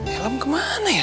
helam kemana ya